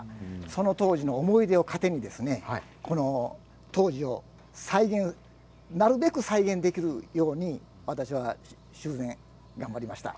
その当時の思い出を糧に当時をなるべく再現できるように私は修繕を頑張りました。